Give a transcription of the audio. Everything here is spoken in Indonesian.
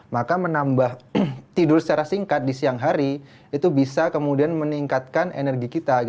maka menambah tidur secara singkat di siang hari itu bisa kemudian meningkatkan energi kita